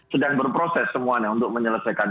sedang berproses semuanya untuk menyelesaikan